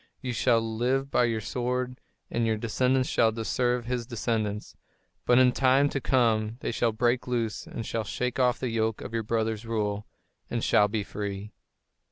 You shall live by your sword and your descendants shall serve his descendants. But in time to come they shall break loose and shall shake off the yoke of your brother's rule and shall be free."